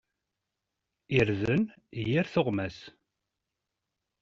Irden i yir tuɣmas.